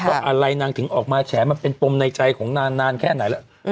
เพราะอะไรนางถึงออกมาแฉมันเป็นปมในใจของนางนานแค่ไหนแล้ว